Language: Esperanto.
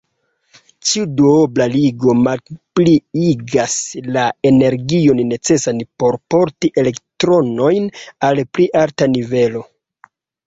Ĉiu duobla ligo malpliigas la energion necesan por porti elektronojn al pli alta nivelo.